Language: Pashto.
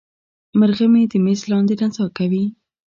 مرغه مې د میز لاندې نڅا کوي.